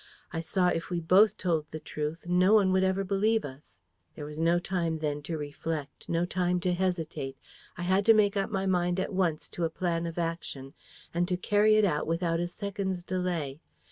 I saw if we both told the truth, no one would ever believe us. There was no time then to reflect, no time to hesitate. I had to make up my mind at once to a plan of action, and to carry it out without a second's delay.